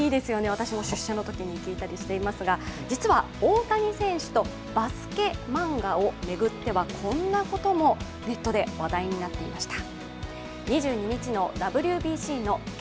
私も出社のときに聴いたりしていますが実は大谷選手とバスケ漫画をめぐっては、こんなこともネットで話題になっていました。